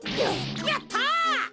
やった！